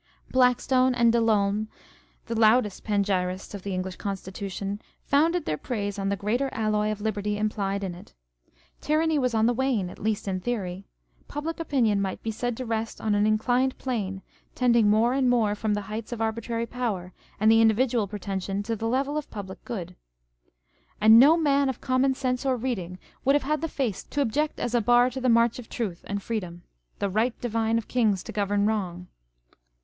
Blackstone and De Lolme (the loudest panegyrists of the English Constitution) founded their praise on the greater alloy of Liberty implied in it. Tyranny was on the wane, at least in theory : public opinion might be said to rest on an inclined plane, tending more and more from the heights of arbitrary power and individual pretension to the level of public good ; and no 526 On the Jealousy and the Spleen of Party. * man of common sense or reading would have had the face to object as a bar to the march of truth and freedom The right divine of Kings to govern wrong